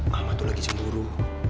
mama tuh lagi jemburu